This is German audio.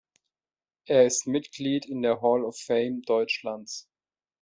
Er ist Mitglied in der Hall of Fame Deutschlands.